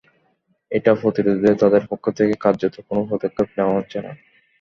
এটা প্রতিরোধে তাদের পক্ষ থেকে কার্যত কোনো পদক্ষেপ নেওয়া হচ্ছে না।